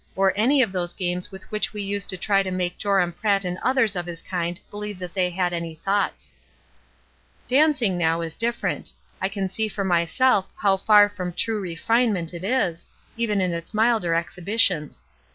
or any of those games with which we used to try to make Joram Pratt and others of his kind beUeve that they had any thoughts. 98 ESTER RIED'S NAMESAKE ({ 'Dancing, now, is different. I can see for myself how far from true refinement it is, even in its milder exhibitions.